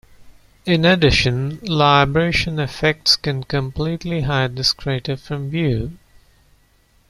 In addition, libration effects can completely hide this crater from view.